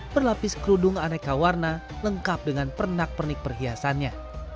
berlapis kerudung aneka warna lengkap dengan pernak pernik perhiasannya